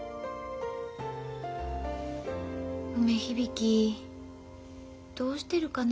梅響どうしてるかな。